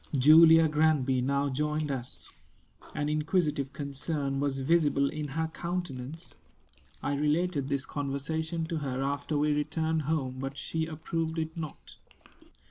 Julia Granby now joined us. An inquisitive concern was visible in her countenance. I related this conversation to her after we returned home; but she approved it not.